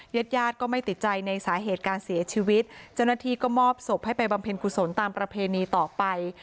ญาติญาติก็ไม่ติดใจในสาเหตุการเสียชีวิตเจ้าหน้าที่ก็มอบศพให้ไปบำเพ็ญกุศลตามประเพณีต่อไป